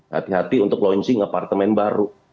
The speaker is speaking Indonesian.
hati hati untuk launching apartemen baru